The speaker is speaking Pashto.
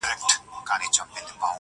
چا یې نه سوای د قدرت سیالي کولای-